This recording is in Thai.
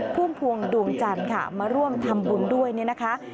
ภูมิภวงดวงจันทร์ค่ะมาร่วมทำบุญด้วยนะคะ